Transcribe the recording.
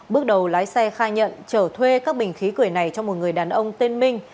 bước đầu lái xe khai nhận trở thuê các bình khí cười này cho một người đàn ông tên minh